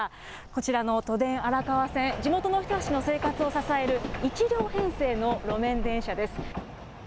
こちらの都電荒川線、地元の人たちの生活を支える１両編成の路面電車です。